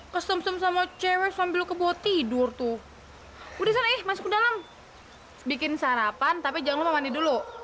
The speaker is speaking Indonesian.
kesem sem sama cewek sambil lu ke bawah tidur tuh udah san eh masuk ke dalam bikin sarapan tapi jangan lu mau mandi dulu